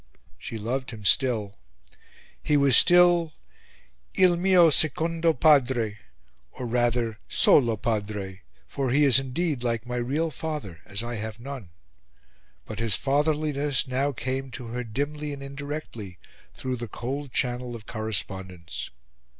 She loved him still; he was still "il mio secondo padre or, rather, solo padre, for he is indeed like my real father, as I have none;" but his fatherliness now came to her dimly and indirectly, through the cold channel of correspondence.